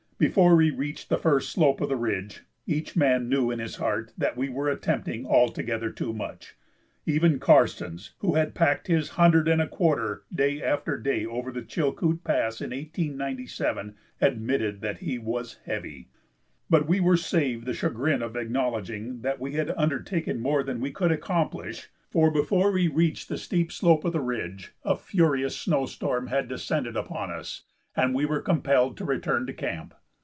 Before we reached the first slope of the ridge each man knew in his heart that we were attempting altogether too much. Even Karstens, who had packed his "hundred and a quarter" day after day over the Chilkoot Pass in 1897, admitted that he was "heavy." But we were saved the chagrin of acknowledging that we had undertaken more than we could accomplish, for before we reached the steep slope of the ridge a furious snow storm had descended upon us and we were compelled to return to camp.